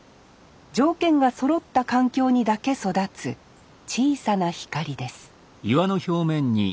条件がそろった環境にだけ育つ小さな光です